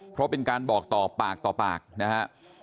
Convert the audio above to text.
เพราะเป็นการบอกต่อปากต่อปากนะฮะ